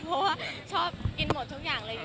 เพราะว่าชอบกินหมดทุกอย่างเลย